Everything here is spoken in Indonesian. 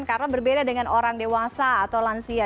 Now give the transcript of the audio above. karena berbeda dengan orang dewasa atau lansia